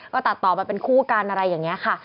ก็ตัดต่อมาเป็นคู่กันอะไรอย่างนี้ค่ะ